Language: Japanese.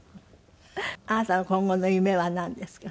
あなたの今後の夢はなんですか？